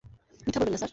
মিথ্যা বলবেন না, স্যার।